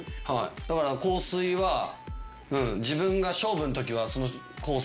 香水は自分が勝負のときはその香水